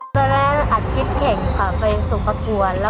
ตอนแรกอัดคลิปเข็งไปสุขประกวร